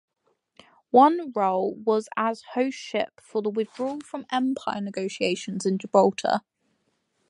One role was as host ship for the "Withdrawal from Empire" negotiations in Gibraltar.